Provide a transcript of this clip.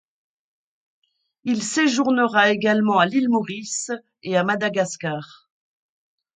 Il séjournera également à l’Ile Maurice et à Madagascar.